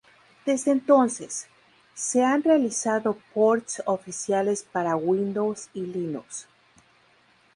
Desde entonces, se han realizado ports oficiales para Windows y Linux.